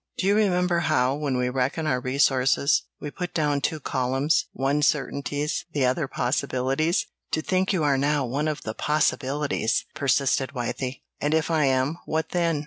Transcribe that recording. "Do you remember how, when we reckon our resources, we put down two columns, one certainties, the other possibilities? To think you are now one of the possibilities!" persisted Wythie. "And if I am, what then?"